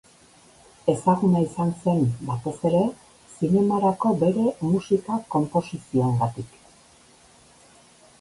Ezaguna izan zen batez ere zinemarako bere musika-konposizioengatik.